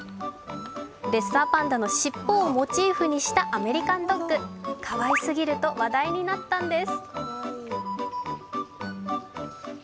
レッサーパンダの尻尾をモチーフにしたアメリカンドッグ、かわいすぎると話題になったんです。